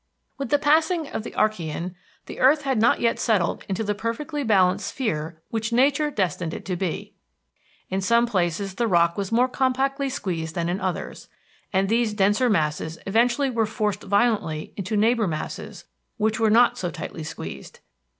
With the passing of the Archean, the earth had not yet settled into the perfectly balanced sphere which Nature destined it to be. In some places the rock was more compactly squeezed than in others, and these denser masses eventually were forced violently into neighbor masses which were not so tightly squeezed.